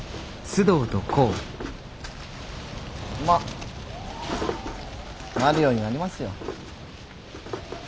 まっなるようになりますよ。